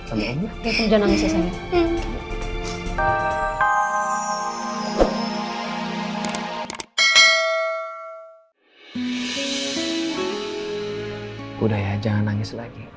kamu kalau mau main lagi sama adik itu kan bisa besok